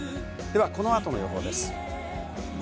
この後の予報です。